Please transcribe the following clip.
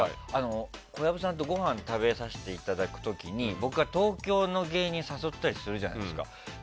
小籔さんとごはん食べさせていただく時に僕が東京の芸人誘ったりするじゃないですか。